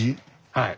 はい。